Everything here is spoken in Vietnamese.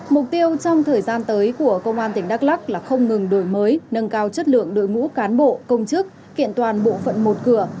mục tiêu trong thời gian tới của công an tỉnh đắk lắc là không ngừng đổi mới nâng cao chất lượng đội ngũ cán bộ công chức kiện toàn bộ phận một cửa